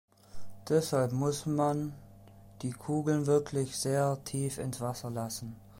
Deshalb muss man die Kugeln wirklich sehr tief ins Wasser lassen.